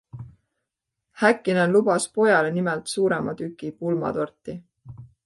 Häkkinen lubas pojale nimelt suurema tüki pulmatorti.